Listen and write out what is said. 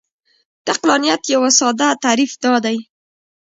د عقلانیت یو ساده تعریف دا دی.